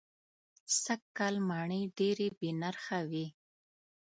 سږ کال مڼې دېرې بې نرخه وې.